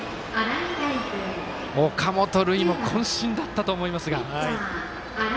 岡本琉奨もこん身だったとは思いますが。